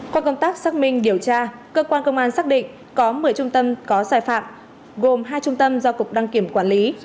qua công tác xác minh điều tra cơ quan công an xác định có một mươi trung tâm có sai phạm gồm hai trung tâm do cục đăng kiểm quản lý